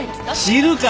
知るか！